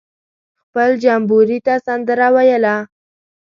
خپل جمبوري ته سندره ویله.